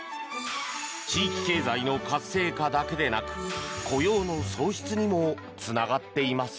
地域経済の活性化だけでなく雇用の創出にもつながっています。